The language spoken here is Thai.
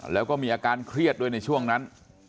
แล้วก็มีอาการเครียดด้วยในช่วงนั้น